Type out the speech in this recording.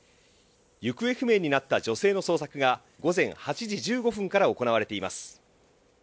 行方不明になった女性の捜索が午前８時１５分から行われています。